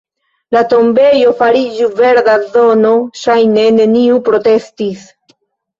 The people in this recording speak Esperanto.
La tombejo fariĝu verda zono; ŝajne neniu protestis.